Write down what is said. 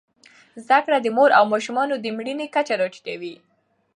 زدهکړې د مور او ماشوم د مړینې کچه راټیټوي.